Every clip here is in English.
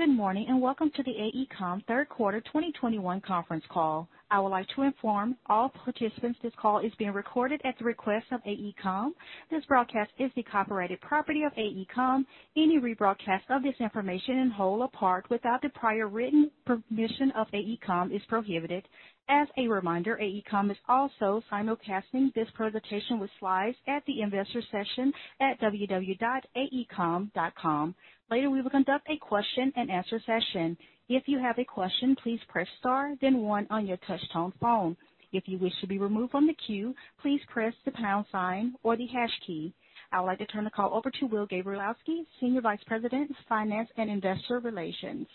Good morning, and welcome to the AECOM third quarter 2021 conference call. I would like to inform all participants this call is being recorded at the request of AECOM. This broadcast is the copyrighted property of AECOM. Any rebroadcast of this information in whole or part without the prior written permission of AECOM is prohibited. As a reminder, AECOM is also simulcasting this presentation with slides at the investor section at www.aecom.com. Later, we will conduct a question and answer session. If you have a question, please press star then one on your touchtone phone. If you wish to be removed from the queue, please press the pound sign or the hash key. I would like to turn the call over to Will Gabrielski, Senior Vice President, Finance and Investor Relations.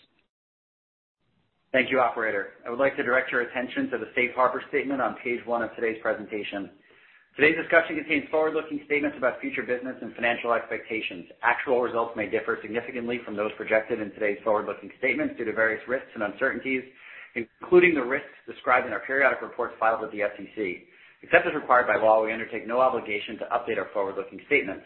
Thank you, Operator. I would like to direct your attention to the safe harbor statement on page one of today's presentation. Today's discussion contains forward-looking statements about future business and financial expectations. Actual results may differ significantly from those projected in today's forward-looking statements due to various risks and uncertainties, including the risks described in our periodic reports filed with the SEC. Except as required by law, we undertake no obligation to update our forward-looking statements.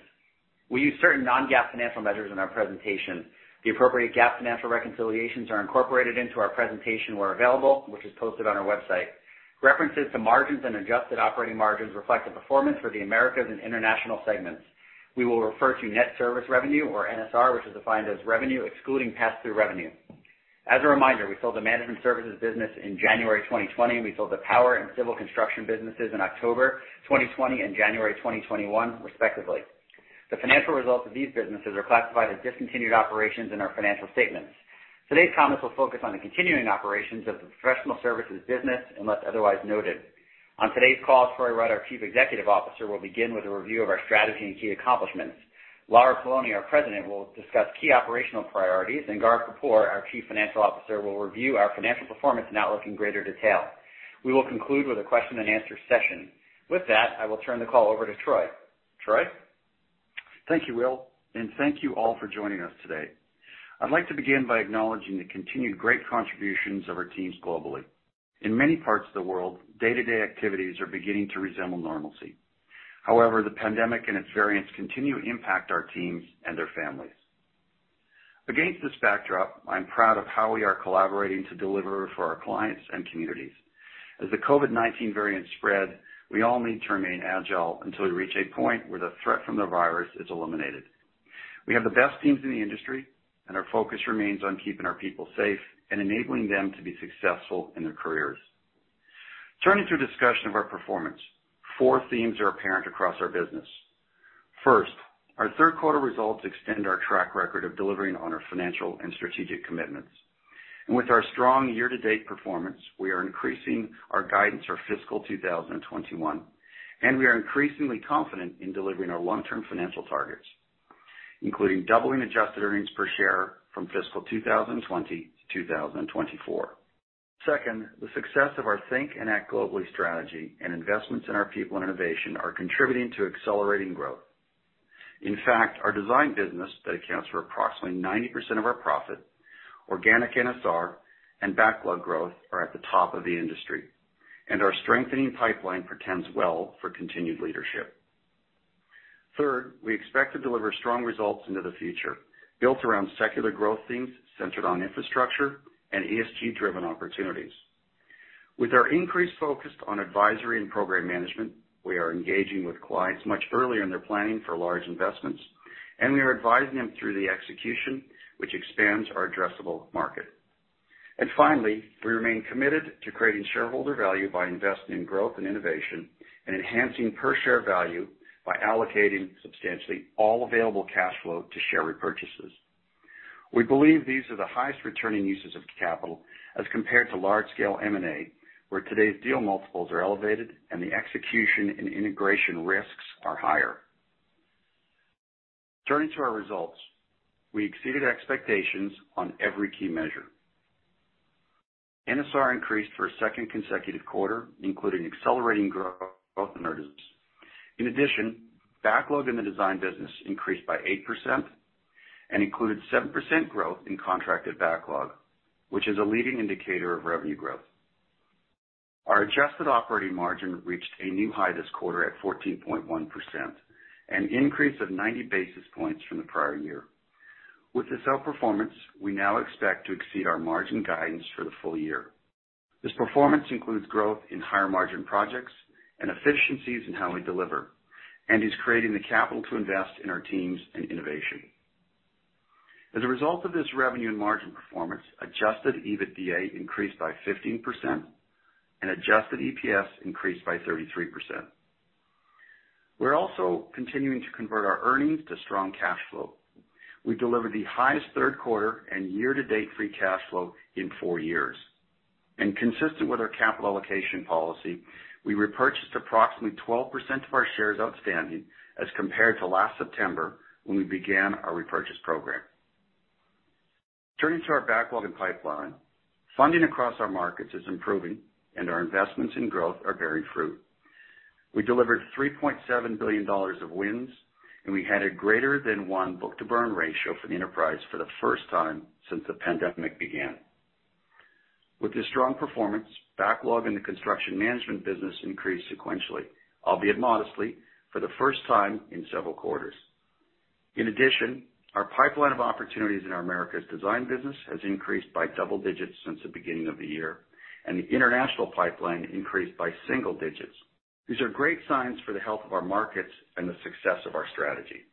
We use certain non-GAAP financial measures in our presentation. The appropriate GAAP financial reconciliations are incorporated into our presentation where available, which is posted on our website. References to margins and adjusted operating margins reflect the performance for the Americas and International segments. We will refer to Net Service Revenue or NSR, which is defined as revenue excluding pass-through revenue. As a reminder, we sold the Management Services business in January 2020, and we sold the Power and Civil Construction businesses in October 2020 and January 2021, respectively. The financial results of these businesses are classified as discontinued operations in our financial statements. Today's comments will focus on the continuing operations of the professional services business unless otherwise noted. On today's call, Troy Rudd, our Chief Executive Officer, will begin with a review of our strategy and key accomplishments. Lara Poloni, our President, will discuss key operational priorities, and Gaurav Kapoor, our Chief Financial Officer, will review our financial performance and outlook in greater detail. We will conclude with a question-and-answer session. With that, I will turn the call over to Troy. Troy? Thank you, Will, and thank you all for joining us today. I'd like to begin by acknowledging the continued great contributions of our teams globally. In many parts of the world, day-to-day activities are beginning to resemble normalcy. However, the pandemic and its variants continue to impact our teams and their families. Against this backdrop, I'm proud of how we are collaborating to deliver for our clients and communities. As the COVID-19 variants spread, we all need to remain agile until we reach a point where the threat from the virus is eliminated. We have the best teams in the industry, and our focus remains on keeping our people safe and enabling them to be successful in their careers. Turning to a discussion of our performance, four themes are apparent across our business. First, our third quarter results extend our track record of delivering on our financial and strategic commitments. With our strong year-to-date performance, we are increasing our guidance for fiscal 2021, and we are increasingly confident in delivering our long-term financial targets, including doubling adjusted earnings per share from fiscal 2020 to 2024. Second, the success of our Think and Act Globally strategy and investments in our people and innovation are contributing to accelerating growth. In fact, our Design business that accounts for approximately 90% of our profit, organic NSR, and backlog growth are at the top of the industry. Our strengthening pipeline portends well for continued leadership. Third, we expect to deliver strong results into the future, built around secular growth themes centered on infrastructure and ESG-driven opportunities. With our increased focus on Advisory and Program Management, we are engaging with clients much earlier in their planning for large investments, and we are advising them through the execution, which expands our addressable market. Finally, we remain committed to creating shareholder value by investing in growth and innovation and enhancing per-share value by allocating substantially all available cash flow to share repurchases. We believe these are the highest returning uses of capital as compared to large-scale M&A, where today's deal multiples are elevated and the execution and integration risks are higher. Turning to our results, we exceeded expectations on every key measure. NSR increased for a second consecutive quarter, including accelerating growth in our business. In addition, backlog in the Design business increased by 8% and included 7% growth in contracted backlog, which is a leading indicator of revenue growth. Our adjusted operating margin reached a new high this quarter at 14.1%, an increase of 90 basis points from the prior year. With this outperformance, we now expect to exceed our margin guidance for the full year. This performance includes growth in higher-margin projects and efficiencies in how we deliver and is creating the capital to invest in our teams and innovation. As a result of this revenue and margin performance, adjusted EBITDA increased by 15%, and adjusted EPS increased by 33%. We are also continuing to convert our earnings to strong cash flow. We delivered the highest third quarter and year-to-date free cash flow in four years. Consistent with our capital allocation policy, we repurchased approximately 12% of our shares outstanding as compared to last September when we began our repurchase program. Turning to our backlog and pipeline, funding across our markets is improving, and our investments in growth are bearing fruit. We delivered $3.7 billion of wins, and we had a greater than one book-to-burn ratio for the enterprise for the first time since the pandemic began. With this strong performance, backlog in the Construction Management business increased sequentially, albeit modestly, for the first time in several quarters. In addition, our pipeline of opportunities in our Americas design business has increased by double digits since the beginning of the year, and the international pipeline increased by single digits. These are great signs for the health of our markets and the success of our strategy.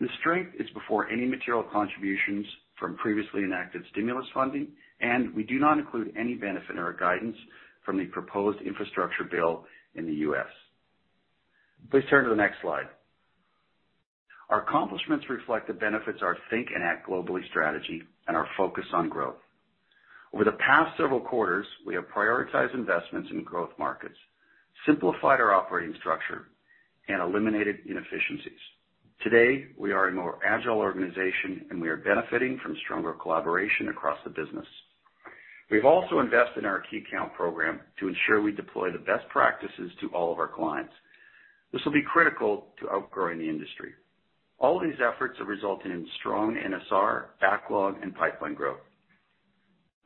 The strength is before any material contributions from previously enacted stimulus funding, and we do not include any benefit in our guidance from the proposed infrastructure bill in the U.S. Please turn to the next slide. Our accomplishments reflect the benefits of our Think and Act Globally strategy and our focus on growth. Over the past several quarters, we have prioritized investments in growth markets, simplified our operating structure, and eliminated inefficiencies. Today, we are a more agile organization, and we are benefiting from stronger collaboration across the business. We've also invested in our key account program to ensure we deploy the best practices to all of our clients. This will be critical to outgrowing the industry. All of these efforts have resulted in strong NSR, backlog, and pipeline growth.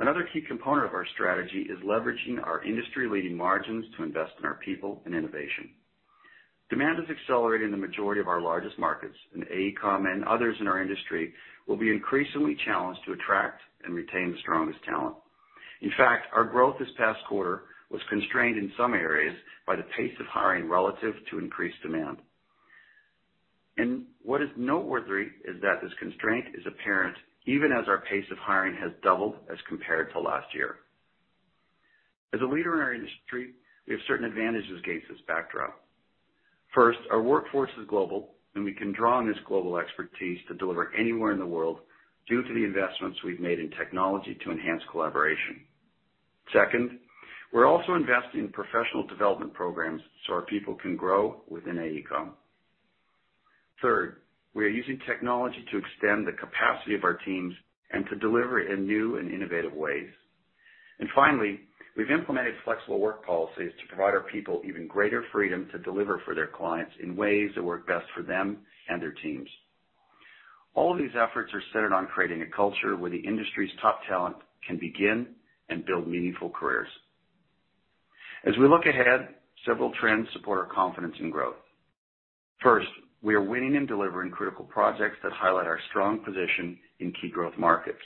Another key component of our strategy is leveraging our industry-leading margins to invest in our people and innovation. Demand is accelerating in the majority of our largest markets, and AECOM and others in our industry will be increasingly challenged to attract and retain the strongest talent. In fact, our growth this past quarter was constrained in some areas by the pace of hiring relative to increased demand. What is noteworthy is that this constraint is apparent even as our pace of hiring has doubled as compared to last year. As a leader in our industry, we have certain advantages against this backdrop. First, our workforce is global, and we can draw on this global expertise to deliver anywhere in the world due to the investments we've made in technology to enhance collaboration. Second, we're also investing in professional development programs so our people can grow within AECOM. Third, we are using technology to extend the capacity of our teams and to deliver in new and innovative ways. Finally, we've implemented flexible work policies to provide our people even greater freedom to deliver for their clients in ways that work best for them and their teams. All of these efforts are centered on creating a culture where the industry's top talent can begin and build meaningful careers. As we look ahead, several trends support our confidence in growth. First, we are winning and delivering critical projects that highlight our strong position in key growth markets.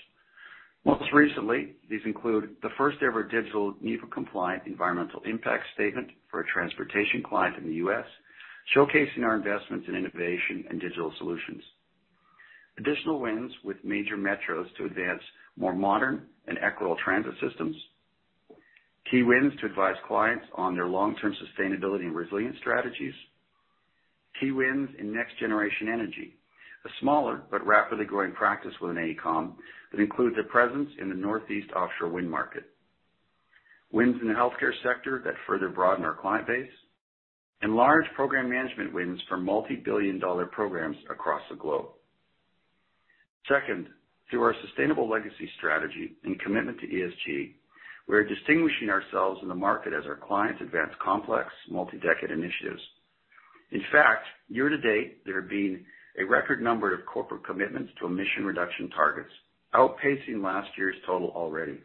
Most recently, these include the first-ever digital NEPA compliant Environmental Impact Statement for a transportation client in the U.S., showcasing our investments in innovation and digital solutions. Additional wins with major metros to advance more modern and equitable transit systems. Key wins to advise clients on their long-term sustainability and resilience strategies. Key wins in next-generation energy, a smaller but rapidly growing practice within AECOM that includes a presence in the Northeast offshore wind market. Wins in the Healthcare sector that further broaden our client base, and large Program Management wins for multi-billion dollar programs across the globe. Second, through our Sustainable Legacies strategy and commitment to ESG, we are distinguishing ourselves in the market as our clients advance complex multi-decade initiatives. In fact, year to date, there have been a record number of corporate commitments to emission reduction targets, outpacing last year's total already.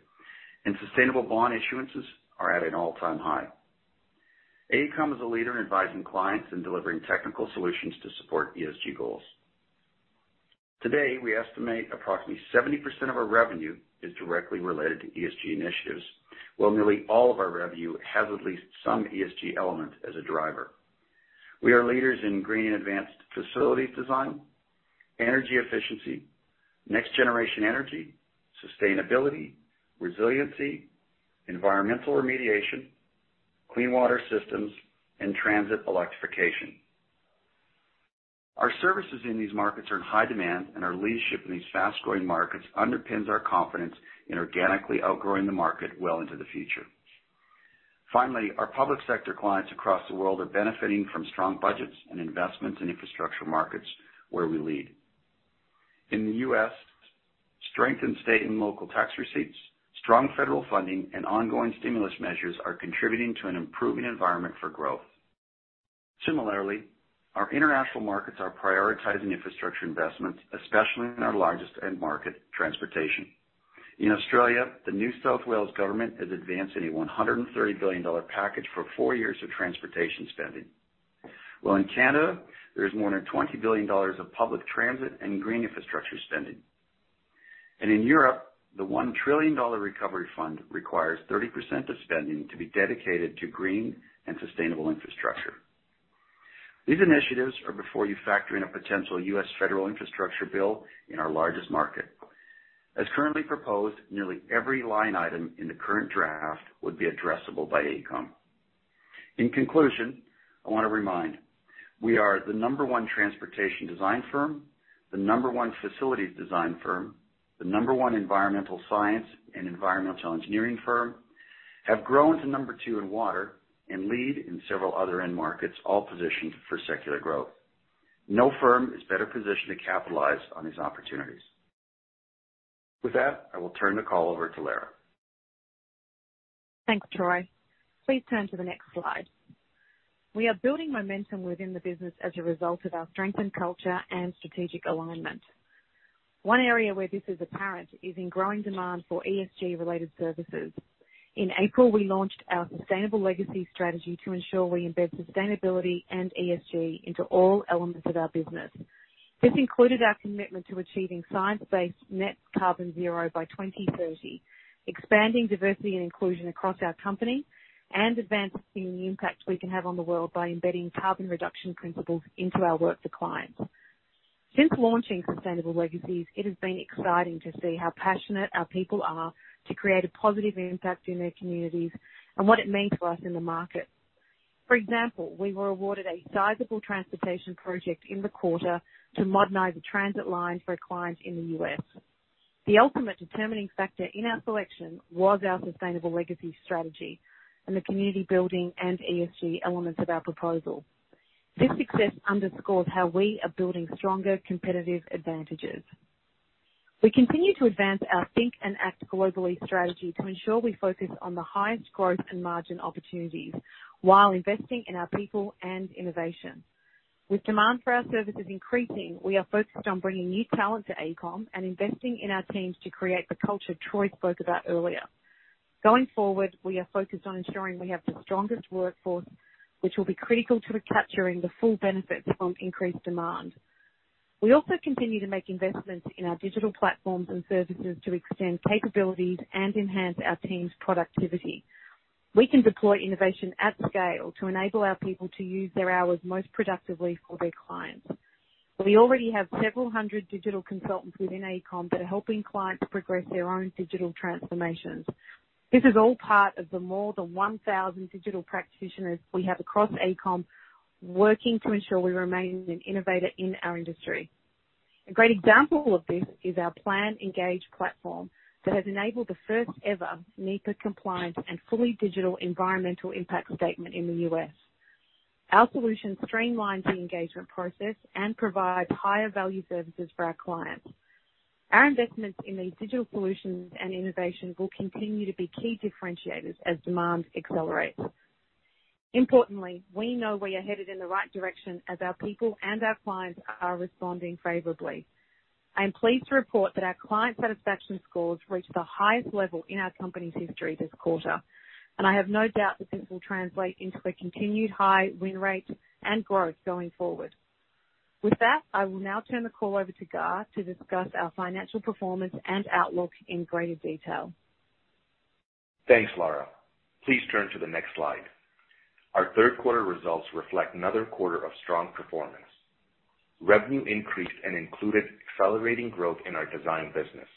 Sustainable bond issuances are at an all-time high. AECOM is a leader in advising clients and delivering technical solutions to support ESG goals. Today, we estimate approximately 70% of our revenue is directly related to ESG initiatives, while nearly all of our revenue has at least some ESG element as a driver. We are leaders in green and advanced facilities design, energy efficiency, next generation energy, sustainability, resiliency, environmental remediation, clean water systems, and transit electrification. Our services in these markets are in high demand, and our leadership in these fast-growing markets underpins our confidence in organically outgrowing the market well into the future. Finally, our public sector clients across the world are benefiting from strong budgets and investments in infrastructure markets where we lead. In the U.S., strengthened state and local tax receipts, strong federal funding, and ongoing stimulus measures are contributing to an improving environment for growth. Similarly, our international markets are prioritizing infrastructure investments, especially in our largest end market, transportation. In Australia, the New South Wales government is advancing a $130 billion package for four years of transportation spending. While in Canada, there is more than $20 billion of public transit and green infrastructure spending. In Europe, the $1 trillion recovery fund requires 30% of spending to be dedicated to green and sustainable infrastructure. These initiatives are before you factor in a potential U.S. federal infrastructure bill in our largest market. As currently proposed, nearly every line item in the current draft would be addressable by AECOM. In conclusion, I want to remind, we are the number one transportation design firm, the number one facilities design firm, the number one environmental science and environmental engineering firm, have grown to number two in water, and lead in several other end markets, all positioned for secular growth. No firm is better positioned to capitalize on these opportunities. With that, I will turn the call over to Lara. Thanks, Troy. Please turn to the next slide. We are building momentum within the business as a result of our strengthened culture and strategic alignment. One area where this is apparent is in growing demand for ESG related services. In April, we launched our Sustainable Legacies strategy to ensure we embed sustainability and ESG into all elements of our business. This included our commitment to achieving science-based net carbon zero by 2030, expanding diversity and inclusion across our company, and advancing the impact we can have on the world by embedding carbon reduction principles into our work for clients. Since launching Sustainable Legacies, it has been exciting to see how passionate our people are to create a positive impact in their communities and what it means to us in the market. For example, we were awarded a sizable transportation project in the quarter to modernize a transit line for a client in the U.S. The ultimate determining factor in our selection was our Sustainable Legacies strategy and the community building and ESG elements of our proposal. This success underscores how we are building stronger competitive advantages. We continue to advance our Think and Act Globally strategy to ensure we focus on the highest growth and margin opportunities while investing in our people and innovation. With demand for our services increasing, we are focused on bringing new talent to AECOM and investing in our teams to create the culture Troy Rudd spoke about earlier. Going forward, we are focused on ensuring we have the strongest workforce, which will be critical to capturing the full benefits from increased demand. We also continue to make investments in our digital platforms and services to extend capabilities and enhance our team's productivity. We can deploy innovation at scale to enable our people to use their hours most productively for their clients. We already have several hundred digital consultants within AECOM that are helping clients progress their own digital transformations. This is all part of the more than 1,000 digital practitioners we have across AECOM working to ensure we remain an innovator in our industry. A great example of this is our PlanEngage platform that has enabled the first ever NEPA compliant and fully digital Environmental Impact Statement in the U.S. Our solution streamlines the engagement process and provides higher value services for our clients. Our investments in these digital solutions and innovation will continue to be key differentiators as demand accelerates. Importantly, we know we are headed in the right direction as our people and our clients are responding favorably. I am pleased to report that our client satisfaction scores reached the highest level in our company's history this quarter, and I have no doubt that this will translate into a continued high win rate and growth going forward. With that, I will now turn the call over to Gaurav to discuss our financial performance and outlook in greater detail. Thanks, Lara. Please turn to the next slide. Our third quarter results reflect another quarter of strong performance. Revenue increased and included accelerating growth in our Design business.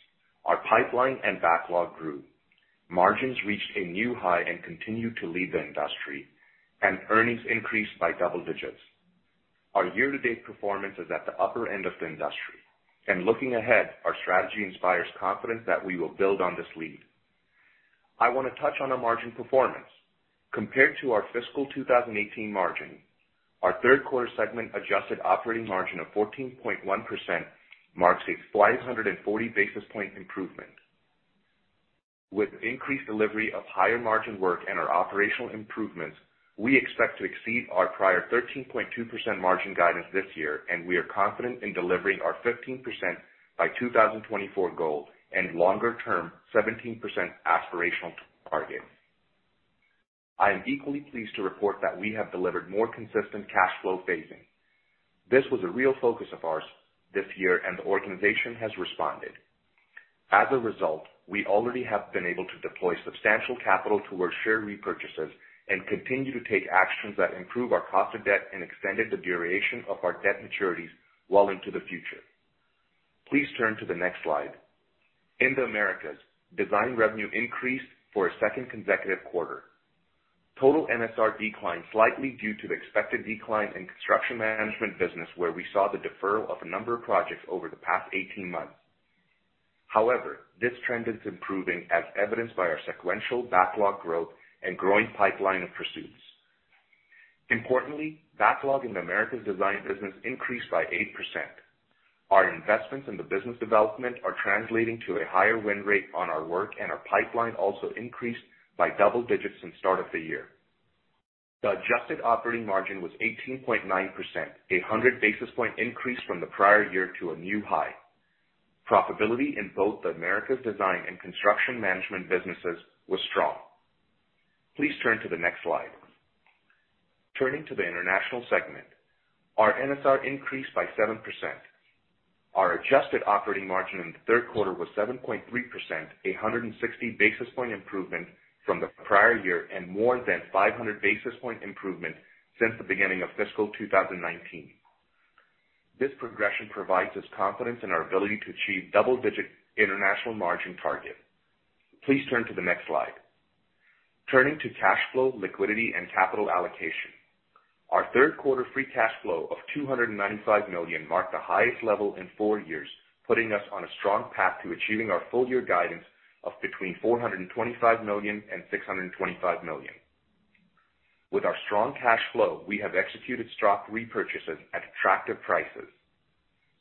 Our pipeline and backlog grew. Margins reached a new high and continue to lead the industry, and earnings increased by double digits. Our year-to-date performance is at the upper end of the industry, and looking ahead, our strategy inspires confidence that we will build on this lead. I want to touch on the margin performance. Compared to our fiscal 2018 margin, our third quarter segment adjusted operating margin of 14.1% marks a 540 basis point improvement. With increased delivery of higher margin work and our operational improvements, we expect to exceed our prior 13.2% margin guidance this year, and we are confident in delivering our 15% by 2024 goal and longer-term 17% aspirational target. I am equally pleased to report that we have delivered more consistent cash flow phasing. This was a real focus of ours this year, and the organization has responded. As a result, we already have been able to deploy substantial capital towards share repurchases and continue to take actions that improve our cost of debt and extended the duration of our debt maturities well into the future. Please turn to the next slide. In the Americas, design revenue increased for a second consecutive quarter. Total NSR declined slightly due to the expected decline in Construction Management business, where we saw the deferral of a number of projects over the past 18 months. However, this trend is improving as evidenced by our sequential backlog growth and growing pipeline of pursuits. Importantly, backlog in the Americas design business increased by 8%. Our investments in the Business Development are translating to a higher win rate on our work, and our pipeline also increased by double digits since start of the year. The adjusted operating margin was 18.9%, 100 basis point increase from the prior year to a new high. Profitability in both the Americas design and Construction Management businesses was strong. Please turn to the next slide. Turning to the international segment, our NSR increased by 7%. Our adjusted operating margin in the third quarter was 7.3%, 160 basis point improvement from the prior year and more than 500 basis point improvement since the beginning of fiscal 2019. This progression provides us confidence in our ability to achieve double-digit international margin target. Please turn to the next slide. Turning to cash flow, liquidity and capital allocation. Our third quarter free cash flow of $295 million marked the highest level in four years, putting us on a strong path to achieving our full year guidance of between $425 million and $625 million. With our strong cash flow, we have executed stock repurchases at attractive prices.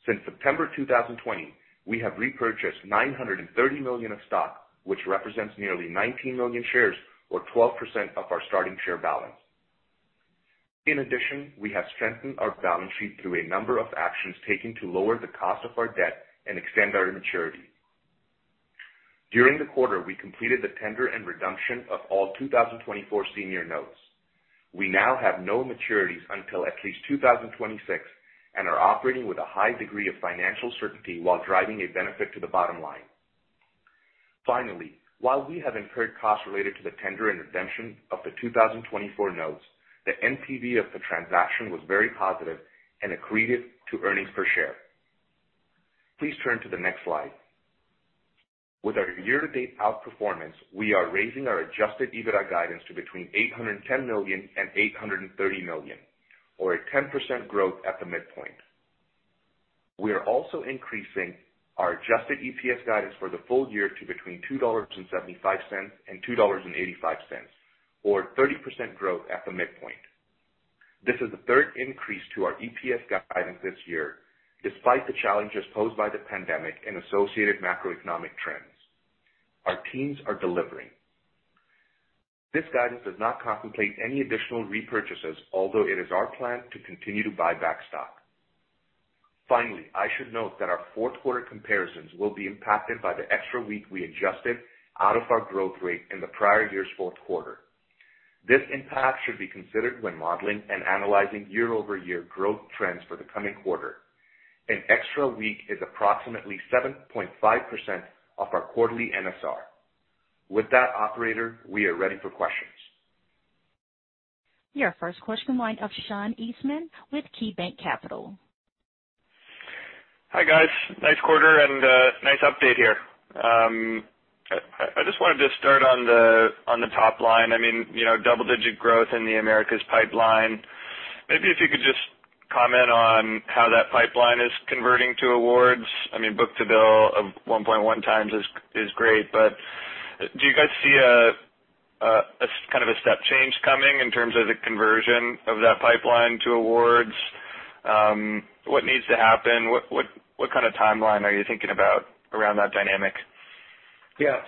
Since September 2020, we have repurchased $930 million of stock, which represents nearly 19 million shares or 12% of our starting share balance. In addition, we have strengthened our balance sheet through a number of actions taken to lower the cost of our debt and extend our maturity. During the quarter, we completed the tender and redemption of all 2024 senior notes. We now have no maturities until at least 2026 and are operating with a high degree of financial certainty while driving a benefit to the bottom line. Finally, while we have incurred costs related to the tender and redemption of the 2024 notes, the NPV of the transaction was very positive and accretive to earnings per share. Please turn to the next slide. With our year-to-date outperformance, we are raising our adjusted EBITDA guidance to between $810 million and $830 million, or a 10% growth at the midpoint. We are also increasing our adjusted EPS guidance for the full year to between $2.75 and $2.85, or 30% growth at the midpoint. This is the third increase to our EPS guidance this year, despite the challenges posed by the pandemic and associated macroeconomic trends. Our teams are delivering. This guidance does not contemplate any additional repurchases, although it is our plan to continue to buy back stock. Finally, I should note that our fourth quarter comparisons will be impacted by the extra week we adjusted out of our growth rate in the prior year's fourth quarter. This impact should be considered when modeling and analyzing year-over-year growth trends for the coming quarter. An extra week is approximately 7.5% of our quarterly NSR. With that, operator, we are ready for questions. Your first question line of Sean Eastman with KeyBanc Capital Hi, guys. Nice quarter and nice update here. I just wanted to start on the top line. Double-digit growth in the Americas pipeline. Maybe if you could just comment on how that pipeline is converting to awards. Book-to-bill of 1.1x is great, but do you guys see a step change coming in terms of the conversion of that pipeline to awards? What needs to happen? What kind of timeline are you thinking about around that dynamic?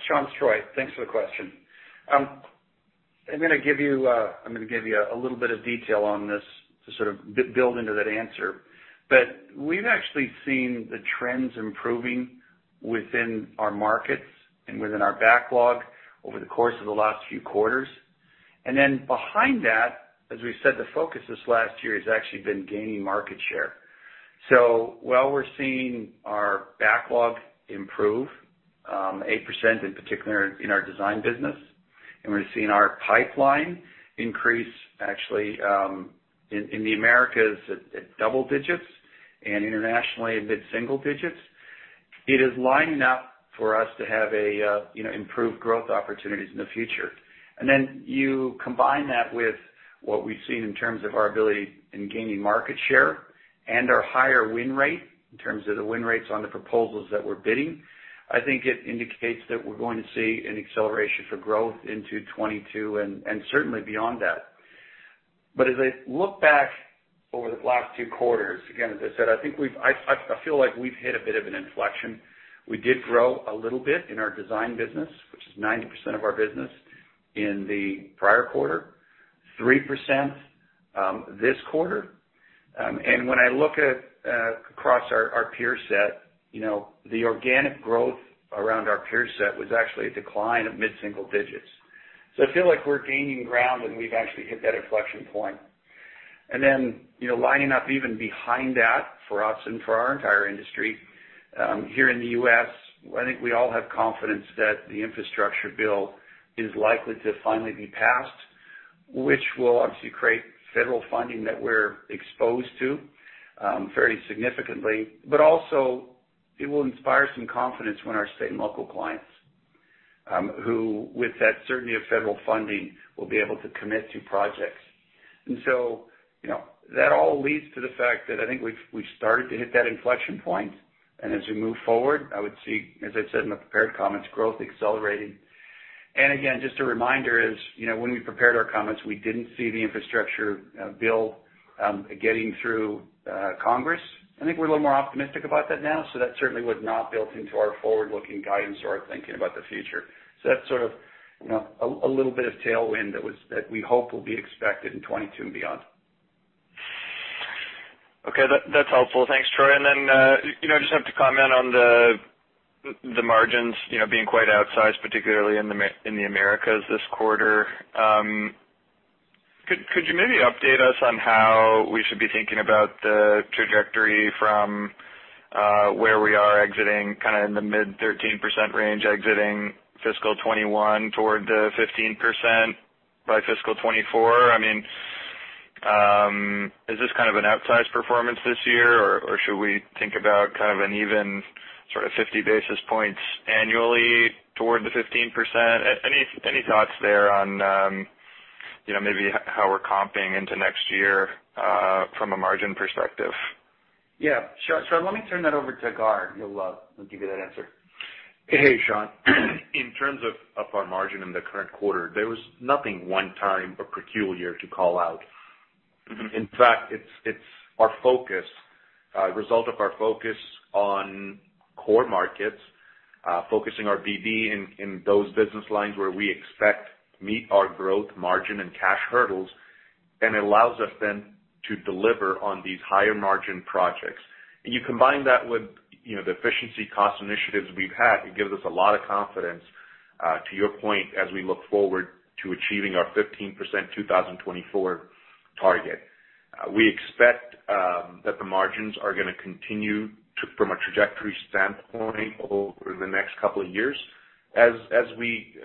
Sean, it's Troy. Thanks for the question. I'm going to give you a little bit of detail on this to sort of build into that answer. We've actually seen the trends improving within our markets and within our backlog over the course of the last few quarters. Behind that, as we've said, the focus this last year has actually been gaining market share. While we're seeing our backlog improve 8% in particular in our Design business, and we're seeing our pipeline increase actually in the Americas at double digits and internationally at mid-single digits, it is lining up for us to have improved growth opportunities in the future. You combine that with what we've seen in terms of our ability in gaining market share and our higher win rate in terms of the win rates on the proposals that we're bidding. I think it indicates that we're going to see an acceleration for growth into 2022 and certainly beyond that. As I look back over the last two quarters, again, as I said, I feel like we've hit a bit of an inflection. We did grow a little bit in our Design business, which is 90% of our business, in the prior quarter, 3% this quarter. When I look across our peer set, the organic growth around our peer set was actually a decline of mid-single digits. I feel like we're gaining ground, and we've actually hit that inflection point. Then lining up even behind that for us and for our entire industry here in the U.S., I think we all have confidence that the infrastructure bill is likely to finally be passed, which will obviously create federal funding that we are exposed to very significantly. Also it will inspire some confidence when our state and local clients who, with that certainty of federal funding, will be able to commit to projects. That all leads to the fact that I think we've started to hit that inflection point, and as we move forward, I would see, as I said in my prepared comments, growth accelerating. Again, just a reminder is when we prepared our comments, we didn't see the infrastructure bill getting through Congress. I think we're a little more optimistic about that now. That certainly was not built into our forward-looking guidance or our thinking about the future. That's sort of a little bit of tailwind that we hope will be expected in 2022 and beyond. Okay. That's helpful. Thanks, Troy. I just have to comment on the margins being quite outsized, particularly in the Americas this quarter. Could you maybe update us on how we should be thinking about the trajectory from where we are exiting kind of in the mid 13% range exiting fiscal 2021 toward the 15% by fiscal 2024? Is this kind of an outsized performance this year, or should we think about kind of an even sort of 50 basis points annually toward the 15%? Any thoughts there on maybe how we're comping into next year from a margin perspective? Yeah. Sure. Let me turn that over to Gaurav. He'll give you that answer. Sean. In terms of our margin in the current quarter, there was nothing one time or peculiar to call out. In fact, it's our focus, a result of our focus on core markets, focusing our BD in those business lines where we expect to meet our growth margin and cash hurdles, and allows us then to deliver on these higher margin projects. You combine that with the efficiency cost initiatives we've had, it gives us a lot of confidence, to your point, as we look forward to achieving our 15% 2024 target. We expect that the margins are going to continue from a trajectory standpoint over the next couple of years, as we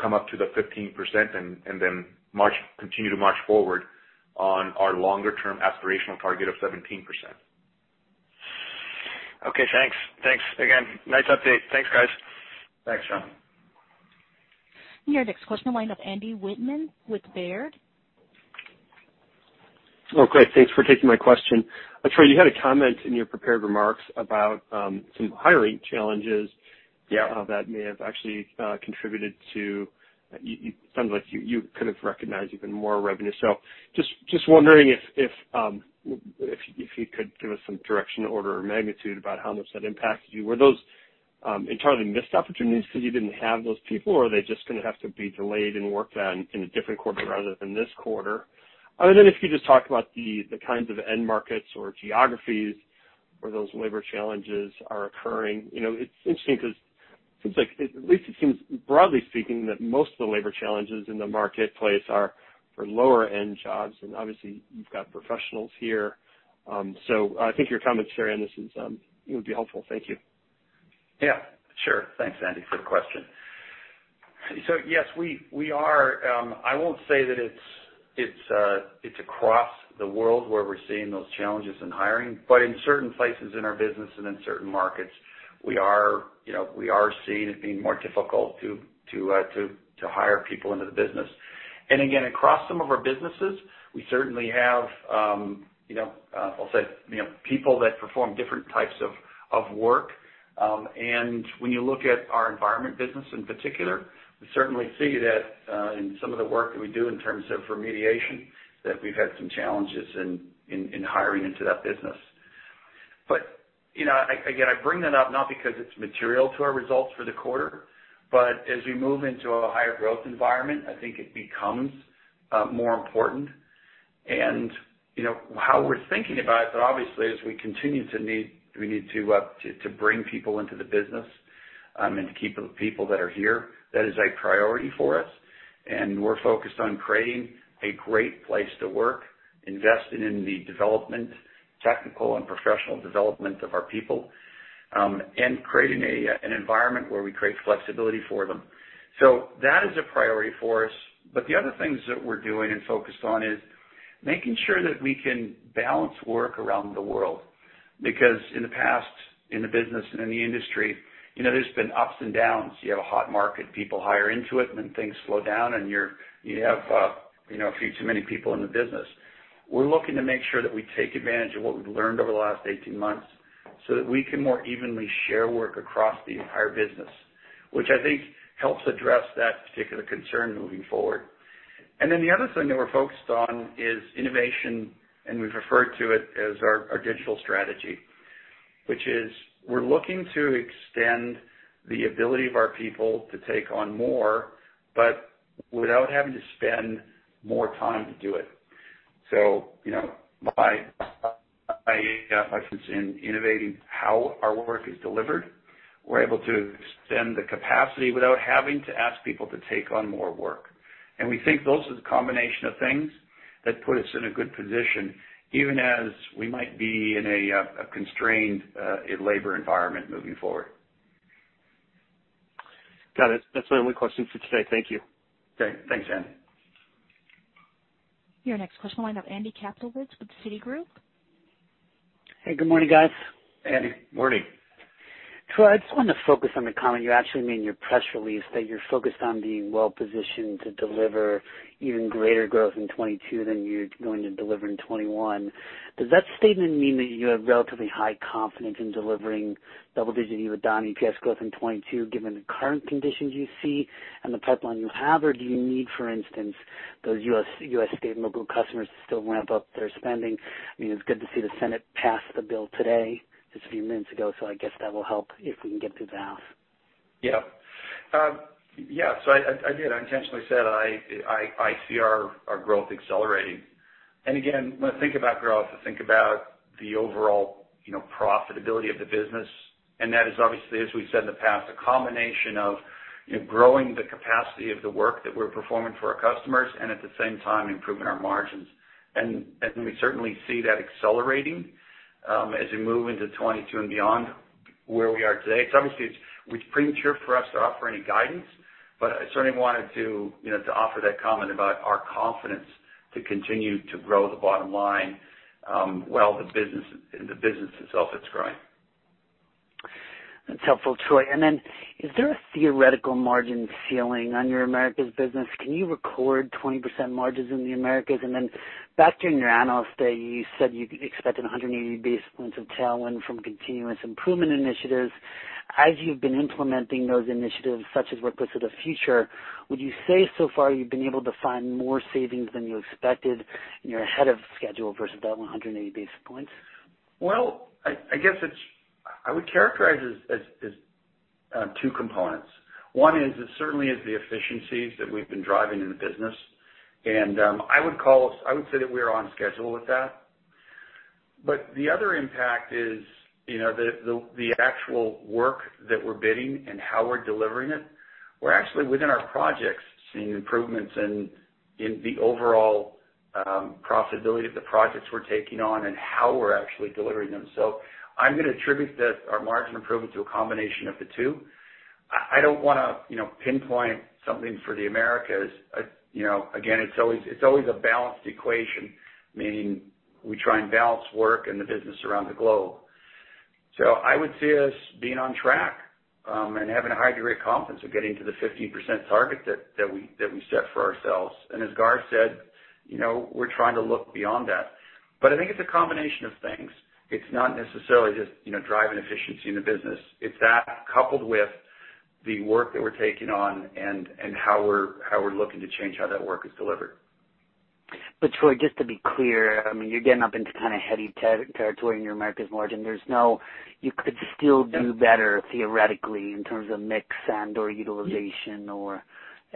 come up to the 15% and then continue to march forward on our longer-term aspirational target of 17%. Okay, thanks. Thanks again. Nice update. Thanks, guys. Thanks, Sean. Your next question, we'll line up Andy Wittmann with Baird. Oh, great. Thanks for taking my question. Troy, you had a comment in your prepared remarks about some hiring challenges that may have actually contributed. It sounds like you could have recognized even more revenue. Just wondering if you could give us some direction, order of magnitude about how much that impacted you. Were those entirely missed opportunities because you didn't have those people, or are they just going to have to be delayed and worked on in a different quarter rather than this quarter? Other than if you just talk about the kinds of end markets or geographies where those labor challenges are occurring. It's interesting because it seems like, at least it seems broadly speaking, that most of the labor challenges in the marketplace are for lower-end jobs, and obviously you've got professionals here. I think your comments here on this would be helpful. Thank you. Yeah, sure. Thanks, Andy, for the question. Yes, we are. I won't say that it's across the world where we're seeing those challenges in hiring. In certain places in our business and in certain markets, we are seeing it being more difficult to hire people into the business. Again, across some of our businesses, we certainly have, I'll say, people that perform different types of work. When you look at our Environment business in particular, we certainly see that in some of the work that we do in terms of remediation, that we've had some challenges in hiring into that business. Again, I bring that up not because it's material to our results for the quarter, but as we move into a higher growth environment, I think it becomes more important. How we're thinking about it, though obviously, as we continue to need to bring people into the business and to keep the people that are here, that is a priority for us, and we're focused on creating a great place to work, investing in the development, technical and professional development of our people, and creating an environment where we create flexibility for them. That is a priority for us. The other things that we're doing and focused on is making sure that we can balance work around the world, because in the past, in the business and in the industry, there's been ups and downs. You have a hot market, people hire into it, and then things slow down and you have a few too many people in the business. We're looking to make sure that we take advantage of what we've learned over the last 18 months so that we can more evenly share work across the entire business, which I think helps address that particular concern moving forward. The other thing that we're focused on is innovation, and we've referred to it as our digital strategy, which is we're looking to extend the ability of our people to take on more, but without having to spend more time to do it. By innovating how our work is delivered, we're able to extend the capacity without having to ask people to take on more work. We think those are the combination of things that put us in a good position, even as we might be in a constrained labor environment moving forward. Got it. That's my only question for today. Thank you. Okay. Thanks, Andy. Your next question, we'll line up Andy Kaplowitz with Citigroup. Hey, good morning, guys. Andy, morning. Troy, I just want to focus on the comment you actually made in your press release, that you're focused on being well-positioned to deliver even greater growth in 2022 than you're going to deliver in 2021. Does that statement mean that you have relatively high confidence in delivering double-digit EBITDA and EPS growth in 2022 given the current conditions you see and the pipeline you have? Or do you need, for instance, those U.S. state and local customers to still ramp up their spending? I mean, it's good to see the Senate pass the bill today, just a few minutes ago. I guess that will help if we can get it through the House. I did, I intentionally said I see our growth accelerating. Again, when I think about growth, I think about the overall profitability of the business. That is obviously, as we've said in the past, a combination of growing the capacity of the work that we're performing for our customers and at the same time improving our margins. We certainly see that accelerating as we move into 2022 and beyond where we are today. Obviously, it's premature for us to offer any guidance, but I certainly wanted to offer that comment about our confidence to continue to grow the bottom line while the business itself is growing. That's helpful, Troy. Is there a theoretical margin ceiling on your Americas business? Can you record 20% margins in the Americas? Back during your analyst day, you said you expected 180 basis points of tailwind from continuous improvement initiatives. As you've been implementing those initiatives, such as Workplace of the Future, would you say so far you've been able to find more savings than you expected and you're ahead of schedule versus that 180 basis points? I guess I would characterize it as two components. One is it certainly is the efficiencies that we've been driving in the business. I would say that we are on schedule with that. The other impact is the actual work that we're bidding and how we're delivering it. We're actually, within our projects, seeing improvements in the overall profitability of the projects we're taking on and how we're actually delivering them. I'm going to attribute our margin improvement to a combination of the two. I don't want to pinpoint something for the Americas. It's always a balanced equation, meaning we try and balance work and the business around the globe. I would see us being on track and having a high degree of confidence of getting to the 15% target that we set for ourselves. As Gaurav said, we're trying to look beyond that. I think it's a combination of things. It's not necessarily just driving efficiency in the business. It's that coupled with the work that we're taking on and how we're looking to change how that work is delivered. Troy, just to be clear, I mean, you're getting up into kind of heady territory in your Americas margin. You could still do better theoretically in terms of mix and/or utilization or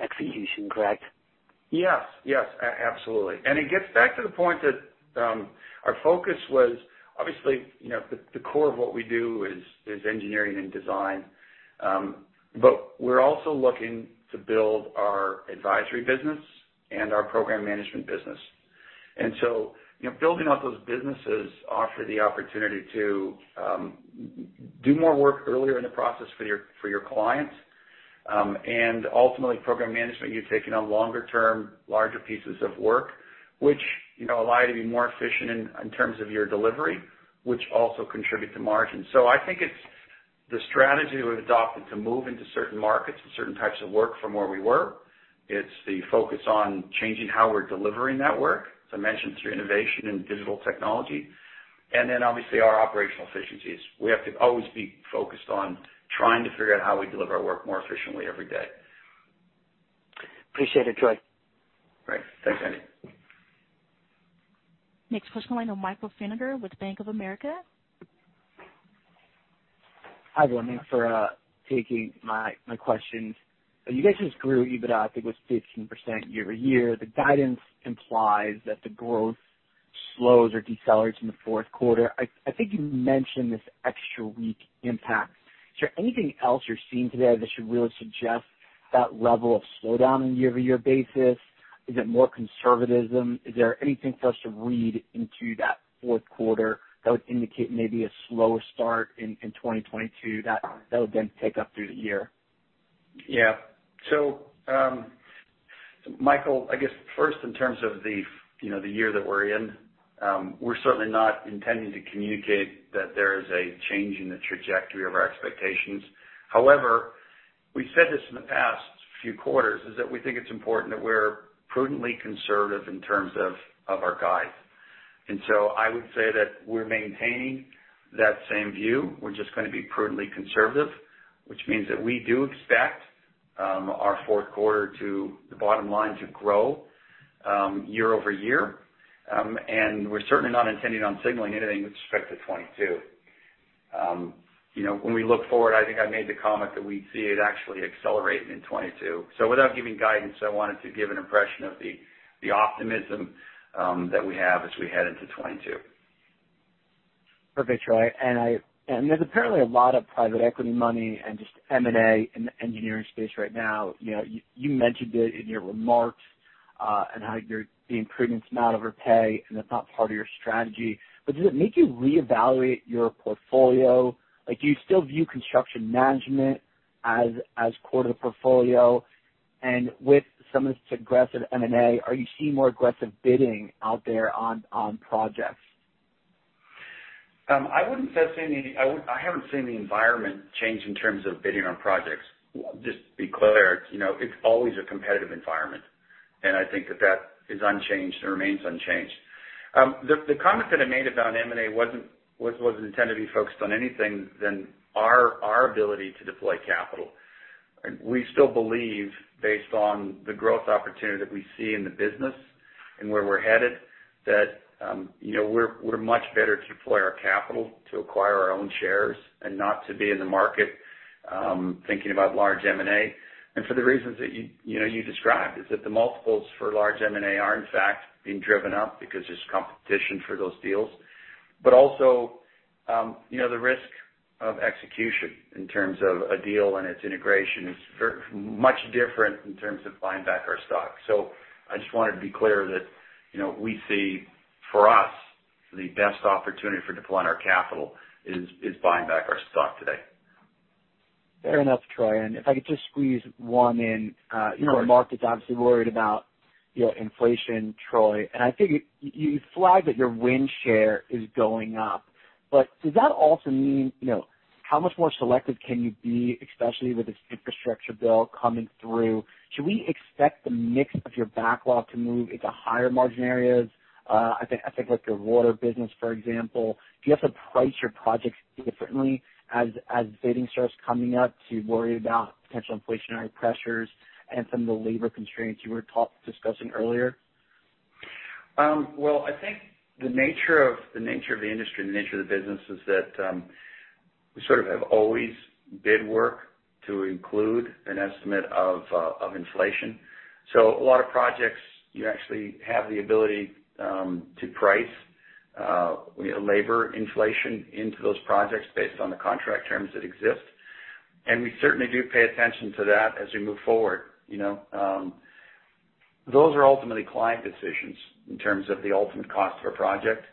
execution, correct? Yes, absolutely. It gets back to the point that our focus was, obviously, the core of what we do is Engineering and Design. We're also looking to build our Advisory business and our Program Management business. Building out those businesses offer the opportunity to do more work earlier in the process for your clients. Ultimately, Program Management, you're taking on longer-term, larger pieces of work, which allow you to be more efficient in terms of your delivery, which also contribute to margin. I think it's the strategy we've adopted to move into certain markets and certain types of work from where we were. It's the focus on changing how we're delivering that work, as I mentioned, through innovation and digital technology. Then obviously our operational efficiencies. We have to always be focused on trying to figure out how we deliver our work more efficiently every day. Appreciate it, Troy. Great. Thanks, Andy. Next question coming from Michael Feniger with Bank of America. Hi, everyone. Thanks for taking my questions. You guys just grew EBITDA, I think it was 15% year-over-year. The guidance implies that the growth slows or decelerates in the fourth quarter. I think you mentioned this extra week impact. Is there anything else you're seeing today that should really suggest that level of slowdown in year-over-year basis? Is it more conservatism? Is there anything for us to read into that fourth quarter that would indicate maybe a slower start in 2022 that would then pick up through the year? Michael, I guess first in terms of the year that we're in, we're certainly not intending to communicate that there is a change in the trajectory of our expectations. However, we've said this in the past few quarters, is that we think it's important that we're prudently conservative in terms of our guide. I would say that we're maintaining that same view. We're just going to be prudently conservative, which means that we do expect our fourth quarter to the bottom line to grow year-over-year. We're certainly not intending on signaling anything with respect to 2022. When we look forward, I think I made the comment that we see it actually accelerating in 2022. Without giving guidance, I wanted to give an impression of the optimism that we have as we head into 2022. Perfect, Troy. There's apparently a lot of private equity money and just M&A in the Engineering space right now. You mentioned it in your remarks and how you're being prudent not overpay, and that's not part of your strategy. Does it make you reevaluate your portfolio? Do you still view Construction Management as core to the portfolio? With some of this aggressive M&A, are you seeing more aggressive bidding out there on projects? I haven't seen the environment change in terms of bidding on projects. Just to be clear, it's always a competitive environment, and I think that is unchanged and remains unchanged. The comment that I made about M&A wasn't intended to be focused on anything than our ability to deploy capital. We still believe, based on the growth opportunity that we see in the business and where we're headed, that we're much better to deploy our capital to acquire our own shares and not to be in the market thinking about large M&A. For the reasons that you described, is that the multiples for large M&A are in fact being driven up because there's competition for those deals. Also, the risk of execution in terms of a deal and its integration is much different in terms of buying back our stock. I just wanted to be clear that we see, for us, the best opportunity for deploying our capital is buying back our stock today. Fair enough, Troy. If I could just squeeze one in? You know markets are obviously worried about inflation, Troy, and I think you flagged that your win share is going up. Does that also mean, how much more selective can you be, especially with this infrastructure bill coming through? Should we expect the mix of your backlog to move into higher margin areas? I think like your Water business, for example. Do you have to price your projects differently as bidding starts coming up to worry about potential inflationary pressures and some of the labor constraints you were discussing earlier? Well, I think the nature of the industry and the nature of the business is that we sort of have always bid work to include an estimate of inflation. A lot of projects, you actually have the ability to price labor inflation into those projects based on the contract terms that exist. We certainly do pay attention to that as we move forward. Those are ultimately client decisions in terms of the ultimate cost of a project.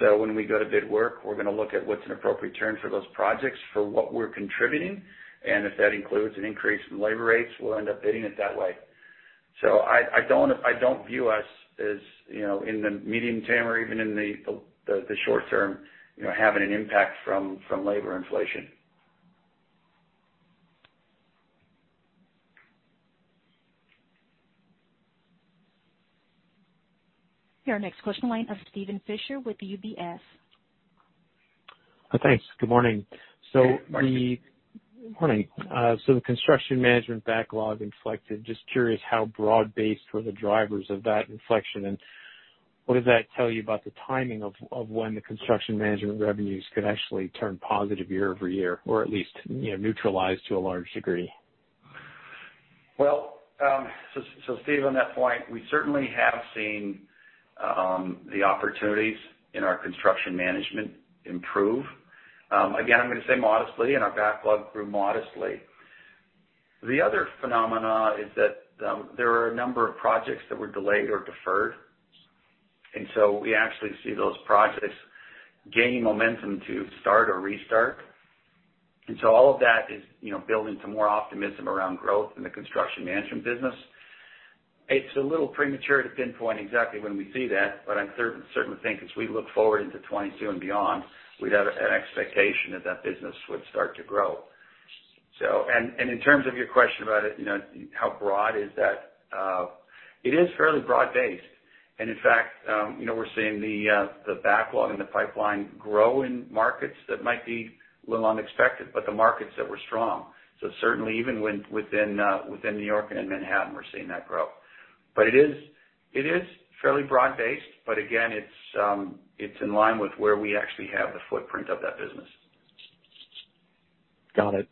When we go to bid work, we're going to look at what's an appropriate term for those projects for what we're contributing, and if that includes an increase in labor rates, we'll end up bidding it that way. I don't view us as, in the medium term or even in the short term, having an impact from labor inflation. Your next question line of Steven Fisher with UBS. Thanks. Good morning. Morning. Morning. The Construction Management backlog inflected. Just curious how broad-based were the drivers of that inflection, and what does that tell you about the timing of when the Construction Management revenues could actually turn positive year-over-year, or at least neutralize to a large degree? Well, Steve, on that point, we certainly have seen the opportunities in our Construction Management improve. I'm going to say modestly, and our backlog grew modestly. The other phenomena is that there are a number of projects that were delayed or deferred, we actually see those projects gaining momentum to start or restart. All of that is building to more optimism around growth in the Construction Management business. It's a little premature to pinpoint exactly when we see that, but I certainly think as we look forward into 2022 and beyond, we'd have an expectation that that business would start to grow. In terms of your question about how broad is that, it is fairly broad-based. In fact, we're seeing the backlog and the pipeline grow in markets that might be a little unexpected, but the markets that were strong. Certainly even within New York and Manhattan, we're seeing that grow. It is fairly broad-based, but again, it's in line with where we actually have the footprint of that business. Got it.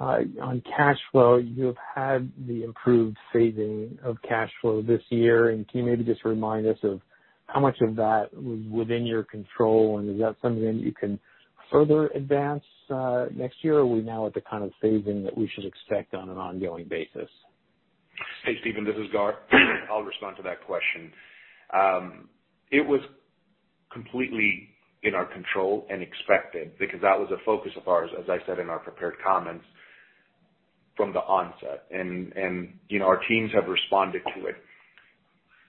On cash flow, you've had the improved phasing of cash flow this year. Can you maybe just remind us of how much of that was within your control, and is that something that you can further advance next year? Are we now at the kind of phasing that we should expect on an ongoing basis? Hey Steven, this is Gaurav. I'll respond to that question. It was completely in our control and expected because that was a focus of ours, as I said in our prepared comments, from the onset. Our teams have responded to it.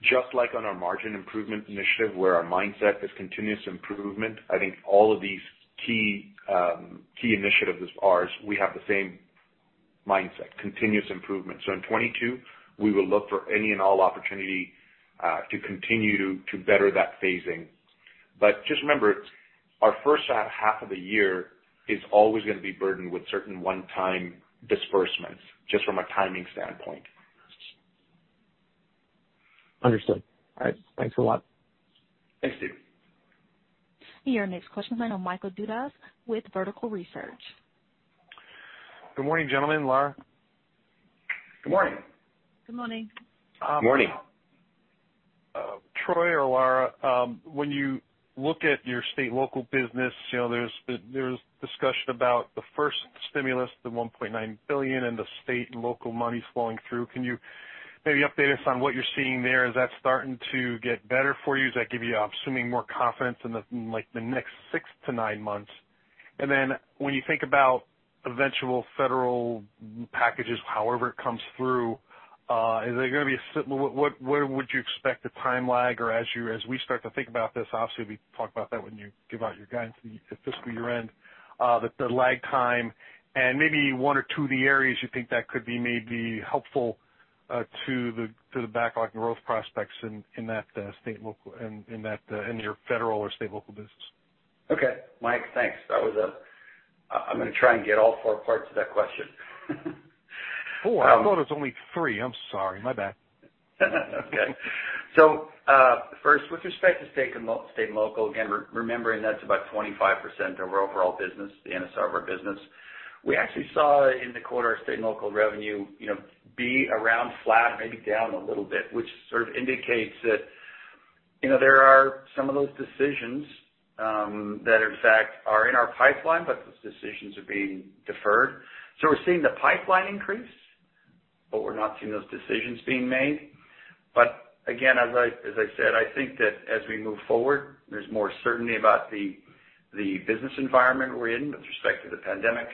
Just like on our margin improvement initiative, where our mindset is continuous improvement, I think all of these key initiatives of ours, we have the same mindset. Continuous improvement. In 2022, we will look for any and all opportunity to continue to better that phasing. Just remember, our first half of the year is always going to be burdened with certain one-time disbursements, just from a timing standpoint. Understood. All right. Thanks a lot. Thanks, Steve. Your next question comes from Michael Dudas with Vertical Research. Good morning, gentlemen, Lara. Good morning. Good morning. Morning. Troy or Lara, when you look at your state and local business, there's discussion about the first stimulus, the $1.9 billion, and the state and local monies flowing through. Can you maybe update us on what you're seeing there? Is that starting to get better for you? Does that give you, I'm assuming, more confidence in the next six to nine months? Then when you think about eventual federal packages, however it comes through, where would you expect the time lag, or as we start to think about this, obviously, we talk about that when you give out your guidance at fiscal year-end, the lag time and maybe one or two of the areas you think that could be maybe helpful to the backlog and growth prospects in your federal or state and local business. Okay. Mike, thanks. I'm going to try and get all four parts of that question. Four? I thought it was only three. I'm sorry. My bad. Okay. First, with respect to state and local, again, remembering that's about 25% of our overall business, the NSR of our business. We actually saw in the quarter our state and local revenue be around flat, maybe down a little bit, which sort of indicates that there are some of those decisions that in fact are in our pipeline, but those decisions are being deferred. We're seeing the pipeline increase. We're not seeing those decisions being made. Again, as I said, I think that as we move forward, there's more certainty about the business environment we're in with respect to the pandemic.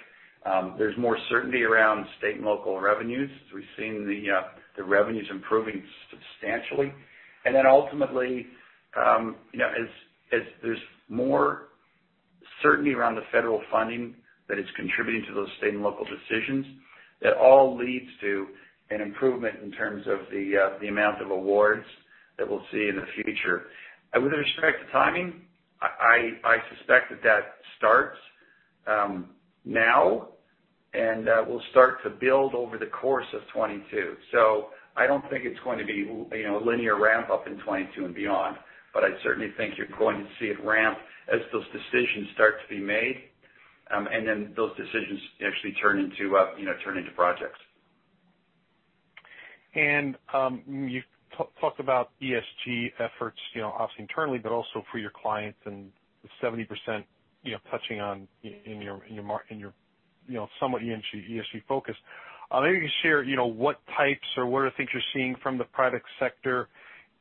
There's more certainty around state and local revenues, as we've seen the revenues improving substantially. Ultimately, as there's more certainty around the federal funding that is contributing to those state and local decisions, that all leads to an improvement in terms of the amount of awards that we'll see in the future. With respect to timing, I suspect that that starts now, and that will start to build over the course of 2022. I don't think it's going to be a linear ramp-up in 2022 and beyond, but I certainly think you're going to see it ramp as those decisions start to be made, and then those decisions actually turn into projects. You talked about ESG efforts, obviously internally, but also for your clients and the 70% touching on in your somewhat ESG focus. Maybe you can share what types or what are the things you're seeing from the private sector,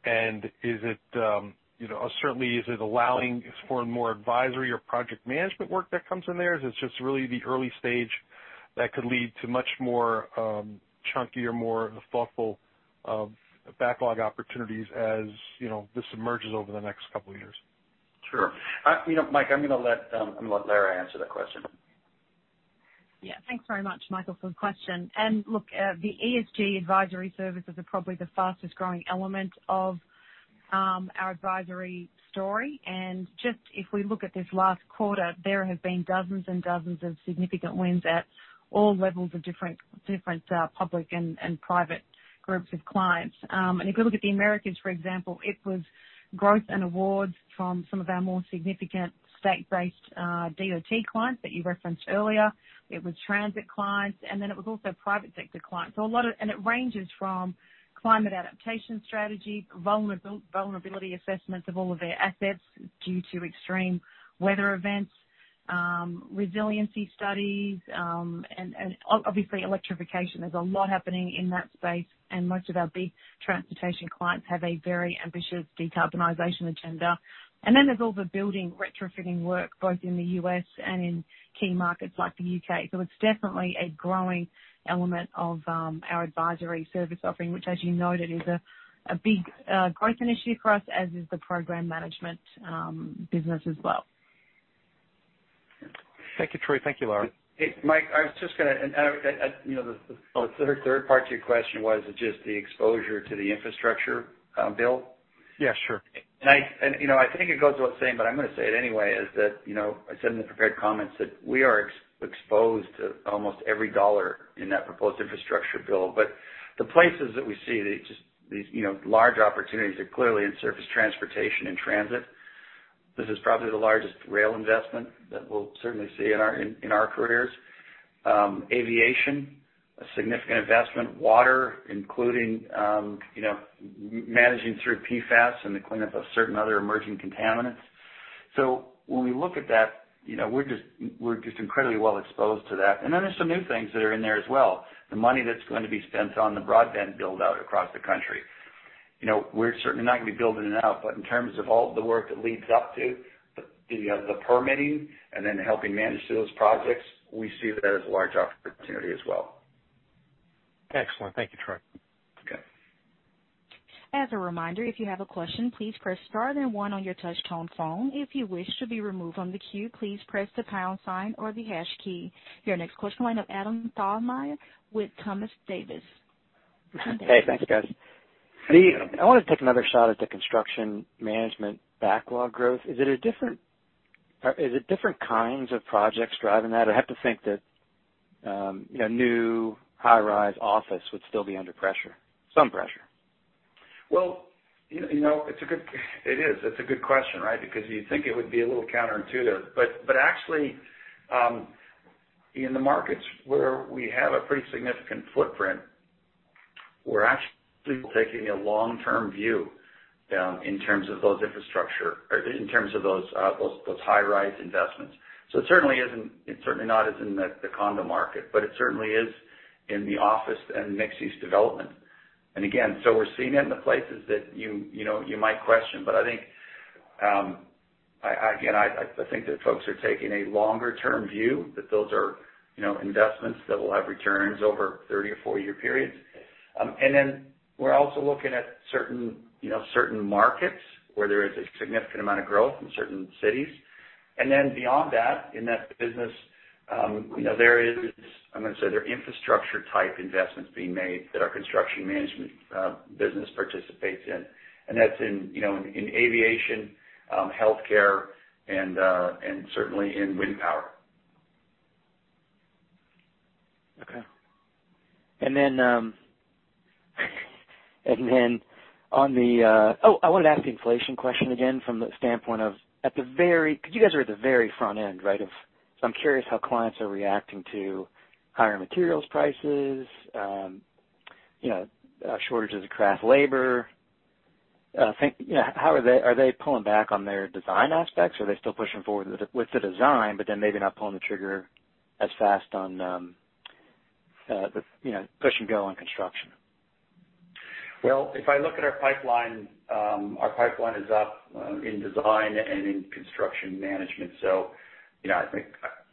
and certainly is it allowing for more Advisory or Project Management work that comes in there? Is this just really the early stage that could lead to much more chunkier, more thoughtful backlog opportunities as this emerges over the next couple of years? Sure. Michael, I'm gonna let Lara answer that question. Yeah. Thanks very much, Michael, for the question. Look, the ESG Advisory services are probably the fastest-growing element of our Advisory story. Just if we look at this last quarter, there have been dozens and dozens of significant wins at all levels of different public and private groups of clients. If you look at the Americas, for example, it was growth and awards from some of our more significant state-based DOT clients that you referenced earlier. It was transit clients, and then it was also private sector clients. It ranges from climate adaptation strategy, vulnerability assessments of all of their assets due to extreme weather events, resiliency studies, and obviously electrification. There's a lot happening in that space, and most of our big transportation clients have a very ambitious decarbonization agenda. There's also building retrofitting work both in the U.S. and in key markets like the U.K. It's definitely a growing element of our Advisory service offering, which, as you noted, is a big growth initiative for us, as is the Program Management business as well. Thank you, Troy. Thank you, Lara. Michael, the third part to your question was just the exposure to the infrastructure bill? Yeah, sure. I think it goes without saying, but I'm gonna say it anyway, is that, I said in the prepared comments, that we are exposed to almost every dollar in that proposed infrastructure bill. The places that we see these large opportunities are clearly in surface transportation and transit. This is probably the largest rail investment that we'll certainly see in our careers. Aviation, a significant investment. Water, including managing through PFAS and the cleanup of certain other emerging contaminants. When we look at that, we're just incredibly well exposed to that. Then there's some new things that are in there as well. The money that's going to be spent on the broadband build-out across the country. We're certainly not going to be building it out, but in terms of all the work that leads up to the permitting and then helping manage those projects, we see that as a large opportunity as well. Excellent. Thank you, Troy. Okay. As a reminder, if you have a question, please press star then one in your touch-tone phone. If you wish to be removed from the queue, please press the pound sign or the hash key. Your next question will end up Adam Thalhimer with Thompson Davis. Hey, thanks, guys. I want to take another shot at the Construction Management backlog growth. Is it different kinds of projects driving that? I have to think that new high-rise office would still be under pressure. Some pressure. Well, it is. It's a good question, right? You'd think it would be a little counterintuitive. Actually, in the markets where we have a pretty significant footprint, we're actually taking a long-term view in terms of those high-rise investments. It certainly is not as in the condo market, but it certainly is in the office and mixed-use development. Again, we're seeing it in the places that you might question. Again, I think that folks are taking a longer-term view that those are investments that will have returns over 30 or four-year periods. We're also looking at certain markets where there is a significant amount of growth in certain cities. Beyond that, in that business, there are infrastructure type investments being made that our Construction Management business participates in, and that's in Aviation, Healthcare, and certainly in Wind power. Okay. Oh, I wanted to ask the inflation question again from the standpoint of, because you guys are at the very front end, right? I'm curious how clients are reacting to higher materials prices, shortages of craft labor. Are they pulling back on their Design aspects? Are they still pushing forward with the Design, maybe not pulling the trigger as fast on the push and go on construction? Well, if I look at our pipeline, our pipeline is up in Design and in Construction Management. I think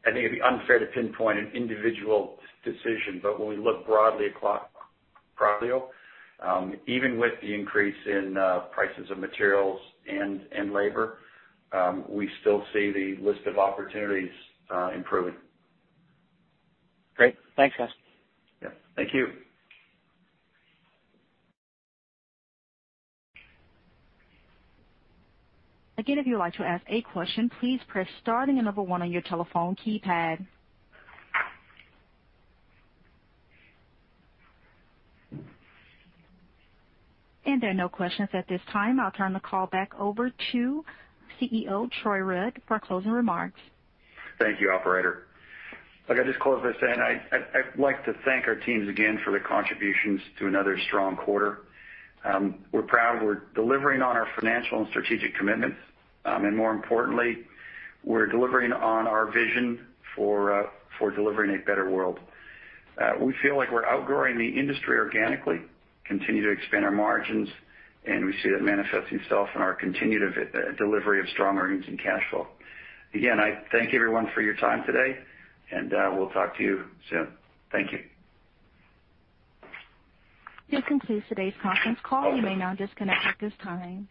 it'd be unfair to pinpoint an individual decision. When we look broadly across the portfolio, even with the increase in prices of materials and labor, we still see the list of opportunities improving. Great. Thanks, guys. Yeah. Thank you. If you'd like to ask a question, please press star then one on your telephone keypad. There are no questions at this time. I'll turn the call back over to CEO Troy Rudd for closing remarks. Thank you, Operator. Look, I'll just close by saying, I'd like to thank our teams again for their contributions to another strong quarter. We're proud we're delivering on our financial and strategic commitments. More importantly, we're delivering on our vision for delivering a better world. We feel like we're outgrowing the industry organically, continue to expand our margins, and we see that manifesting itself in our continued delivery of strong earnings and cash flow. Again, I thank everyone for your time today, and we'll talk to you soon. Thank you. This concludes today's conference call. You may now disconnect at this time.